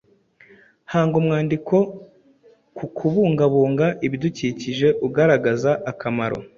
Hanga umwandiko ku kubungabunga ibidukikije ugaragaza akamaro